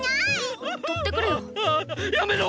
やめろ！！